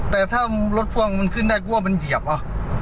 แต่ถ้ารถพ่วงมันขึ้นได้กลัวมันเหยียบว่ะ